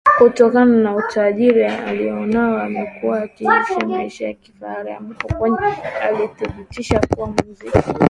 kutokana na utajiri alionao amekuwa akiishi maisha ya kifahari ambapo mwenyewe alithibitisa kuwa muziki